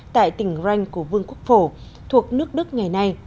tại tỉnh ranh của vương quốc phổ thuộc nước đức ngày nay